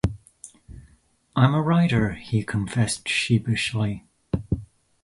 "I'm a writer," he confessed sheepishly.